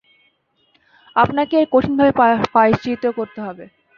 আপনাকে এর কঠিনভাবে প্রায়শ্চিত্ত করতে হবে।